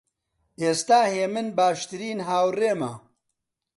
ئێستا هێمن باشترین هاوڕێمە.